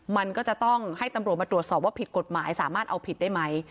มันก็จะต้องให้ตำรวจมาตรวจสอบว่าผิดกฎหมายสามารถเอาผิดได้ไหม